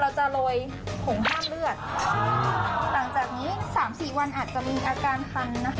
หลังจากนี้๓๔วันอาจจะมีอาการฟันนะ